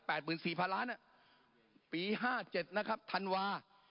หมื่นสี่พันล้านอ่ะปีห้าเจ็ดนะครับธันวา